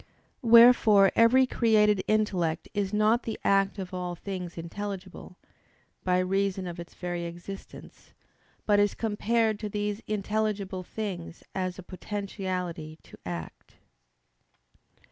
Wherefore every created intellect is not the act of all things intelligible, by reason of its very existence; but is compared to these intelligible things as a potentiality to act.